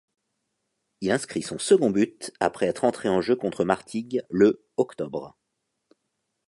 Il inscrit son second but après être entré en jeu contre Martigues le octobre.